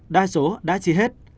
đa số đã chi hết